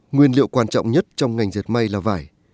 nguyên liệu quan trọng nhất trong ngành dệt may là vải